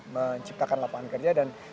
menciptakan lapangan kerja dan